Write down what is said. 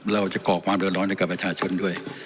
เราจะกรอกความเดินร้อนอันดักกับประชาชนด้วย